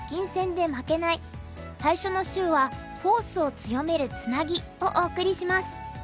最初の週は「フォースを強めるツナギ」をお送りします。